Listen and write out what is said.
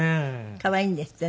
可愛いんですってね。